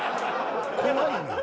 怖いねん。